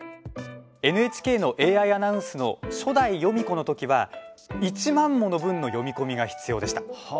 ＮＨＫのＡＩアナウンスの初代ヨミ子の時は１万もの文の読み込みが必要でした。